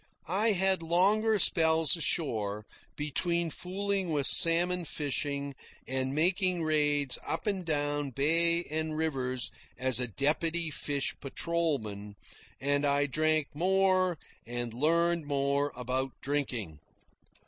I had longer spells ashore, between fooling with salmon fishing and making raids up and down bay and rivers as a deputy fish patrolman, and I drank more and learned more about drinking.